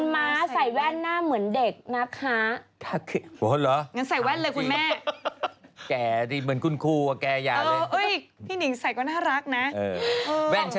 พี่นิ่งใส่ก็น่ารักนะ